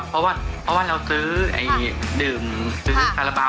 คุณอภิวัชให้ใจลึกนะ